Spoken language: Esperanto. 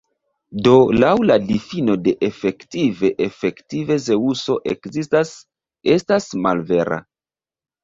Do laŭ la difino de "efektive", "Efektive Zeŭso ekzistas" estas malvera.